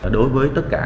đối với tất cả